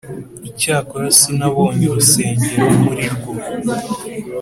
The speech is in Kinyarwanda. Icyakora sinabonye urusengero muri rwo,